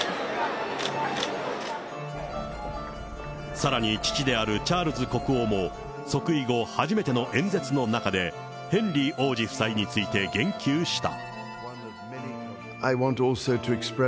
さらに父であるチャールズ国王も、即位後初めての演説の中で、ヘンリー王子夫妻について言及した。